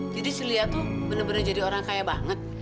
jadi si lia tuh bener bener jadi orang kaya banget